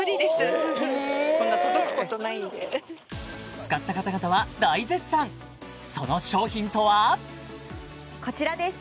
使った方々は大絶賛その商品とはこちらです